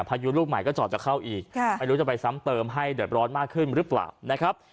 พายุลูกใหม่ก็จอดจะเข้าอีกไม่รู้จะไปซ้ำเติมให้เดือดร้อนมากขึ้นหรือเปล่านะครับ